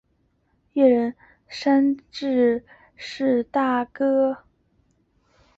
猎人山自治市是澳大利亚新南威尔斯州最小的地方政府。